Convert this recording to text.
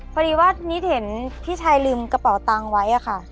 พอดีว่านิดเห็นพี่ชายลืมกระเป๋าตังค์ไว้ค่ะ